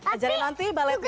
ajarin aunty baletnya